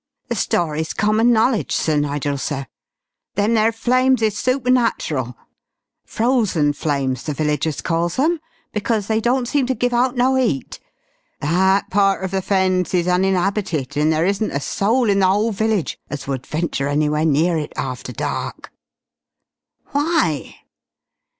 "The story's common knowledge, Sir Nigel, sir. Them there flames is supernatural. Frozen flames the villagers calls 'em, because they don't seem to give out no 'eat. That part of the Fens in unin'abited and there isn't a soul in the whole village as would venture anywhere near it after dark." "Why?"